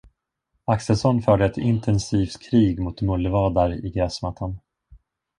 Axelsson förde ett intensivt krig mot mullvadar i gräsmattan.